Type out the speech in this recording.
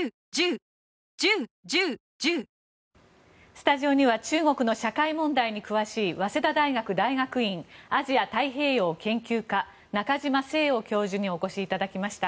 スタジオには中国の社会問題に詳しい早稲田大学大学院アジア太平洋研究科中嶋聖雄教授にお越しいただきました。